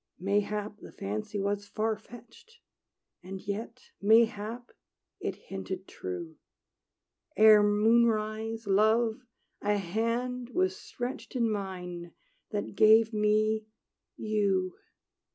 Mayhap the fancy was far fetched; And yet, mayhap, it hinted true. Ere moonrise, Love, a hand was stretched In mine, that gave me you!